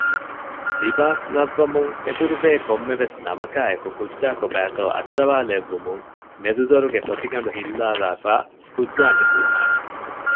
ލިބާސް ލައްވަންވުމުން އެދުރުބޭ ކޮންމެވެސް ނަމަކާއެކު ކުއްޖާ ކޮބައިތޯ އައްސަވާލެއްވުމުން މެދު ދޮރުގެ ފޮތިގަނޑު ހިއްލާލާފައި ކުއްޖާ ނިކުންނާނެ